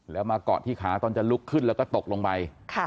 แล้วมาเกาะที่ขาตอนจะลุกขึ้นแล้วก็ตกลงไป